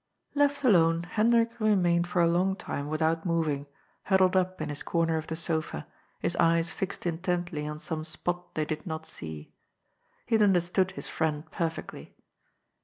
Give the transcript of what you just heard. Left alone, Hendrik remained for a long time without moving, huddled up in his comer of the sofa, his eyes fixed intently on some spot they did not see. He had understood his friend perfectly.